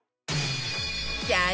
さあ